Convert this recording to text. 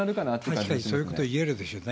確かにそういうことはいえるでしょうね。